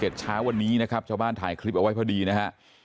เช้าวันนี้นะครับชาวบ้านถ่ายคลิปเอาไว้พอดีนะฮะ